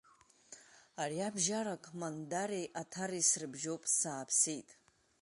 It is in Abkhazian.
Ариабжьарак Мандареи Аҭареи срыбжьоуп, сааԥсеит!